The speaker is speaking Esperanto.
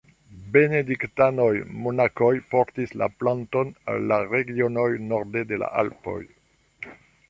Benediktanoj-monakoj portis la planton al la regionoj norde de la Alpoj.